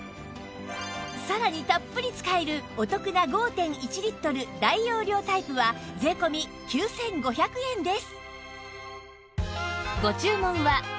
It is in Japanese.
さらにたっぷり使えるお得な ５．１ リットル大容量タイプは税込９５００円です